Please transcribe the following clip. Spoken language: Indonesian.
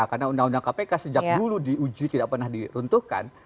karena undang undang kpk sejak dulu diuji tidak pernah diruntuhkan